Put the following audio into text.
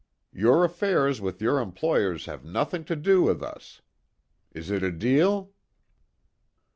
Your affairs with your employers have nothing to do with us. Is it a deal?"